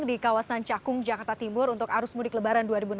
di kawasan cakung jakarta timur untuk arus mudik lebaran dua ribu enam belas